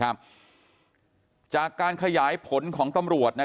กลุ่มตัวเชียงใหม่